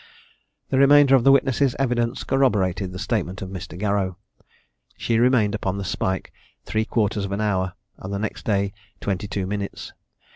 The remainder of the witness's evidence corroborated the statement of Mr. Garrow. She remained upon the spike three quarters of an hour, and the next day twenty two minutes.